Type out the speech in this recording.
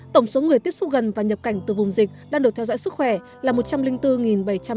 tổng số người tiếp xúc gần và nhập cảnh từ vùng dịch đang được theo dõi sức khỏe là một trăm linh bốn bảy trăm tám mươi người